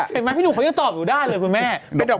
เห็นมั้ยพี่หนุ่มเดี๋ยวตอบโดร่ด้านเลยคุณแม่